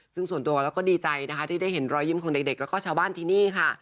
ซึ่งส่วนตัวแล้วก็ดีใจนะคะที่ได้เห็นรอยยิ้มของเด็กแล้วก็ชาวบ้านที่นี่ค่ะ